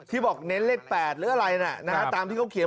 ที่บอกเน้นเลขแปดเรื่องอะไรอ่ะตามที่เขาเขียน